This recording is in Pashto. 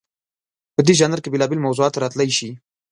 په دې ژانر کې بېلابېل موضوعات راتلی شي.